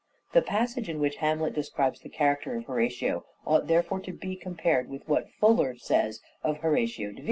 The passage in wliich Hamlet describes the character of Horatio ought therefore to be compared with what Fuller says of Horatio de Vere.